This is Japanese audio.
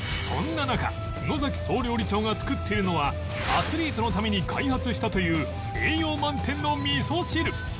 そんな中野総料理長が作っているのはアスリートのために開発したという栄養満点の味噌汁